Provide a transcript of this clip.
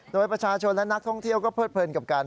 โดยประชาชนและนักท่องเที่ยวก็เพิดเพลินกับการ